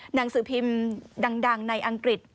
หนังสือพิมพ์ดังในอังกฤษ